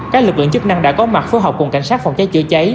các lực lượng chức năng đã có mặt phối hợp cùng cảnh sát phòng cháy chữa cháy